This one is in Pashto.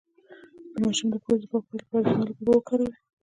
د ماشوم د پوزې د پاکوالي لپاره د مالګې اوبه وکاروئ